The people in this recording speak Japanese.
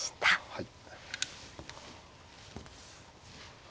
はい。